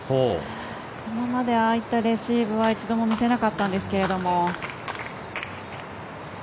今まで、ああいったレシーブは一度も見せなかったんですけど。